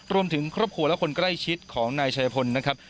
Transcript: รวมถึงครอบครัวและคนใกล้ชิดของนายชายพลนะครับ